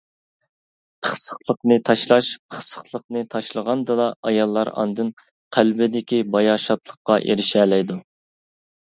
پىخسىقلىقنى تاشلاش: پىخسىقلىقنى تاشلىغاندىلا ئاياللار ئاندىن قەلبىدىكى باياشاتلىققا ئېرىشەلەيدۇ.